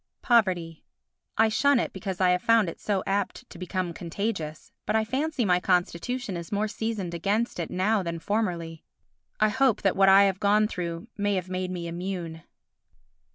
Poverty I shun it because I have found it so apt to become contagious; but I fancy my constitution is more seasoned against it now than formerly. I hope that what I have gone through may have made me immune.